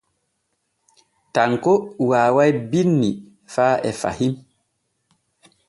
Tanko waaway binni faa e fahin.